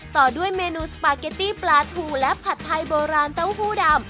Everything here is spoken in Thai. ต่อด้วยเมนูสปาเกตตี้ปลาทูและผัดไทยโบราณเต้าหู้ดำ